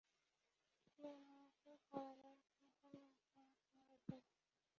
সুরমাকে পড়াবার সম্পূর্ণ ভার তার উপরে।